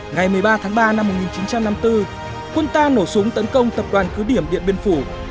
ngày một mươi ba tháng ba năm một nghìn chín trăm năm mươi bốn quân ta nổ súng tấn công tập đoàn cứ điểm điện biên phủ